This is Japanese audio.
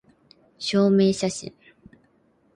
証明写真